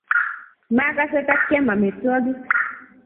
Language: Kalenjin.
Magase ta kiam amitwogik